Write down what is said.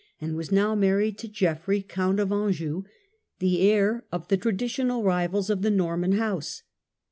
and was now married to Geoffrey, Count of Anjou, the heir of the traditional rivals of the Norman house.